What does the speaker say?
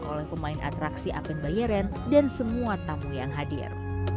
oleh pemain atraksi apen bayaren dan semua tamu yang hadir